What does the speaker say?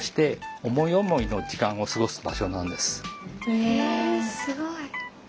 へえすごい。